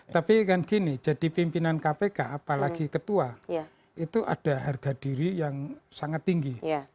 tapi kan gini jadi pimpinan kpk apalagi ketua itu ada harga diri yang sangat tinggi